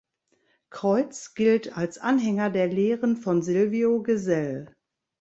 Creutz gilt als Anhänger der Lehren von Silvio Gesell.